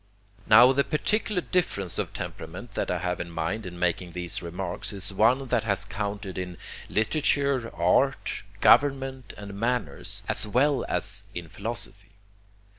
Now the particular difference of temperament that I have in mind in making these remarks is one that has counted in literature, art, government and manners as well as in philosophy.